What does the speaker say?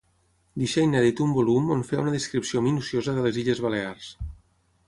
Deixà inèdit un volum on feia una descripció minuciosa de les illes Balears.